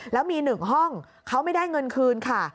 แล้วมี๑ห้องเขาไม่ได้เงินคืนค่ะ